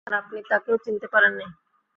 আর আপনি তাকেও চিনতে পারেন নাই?